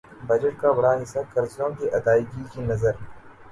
budget کا بڑا حصہ قرضوں کی ادائیگی کی نذر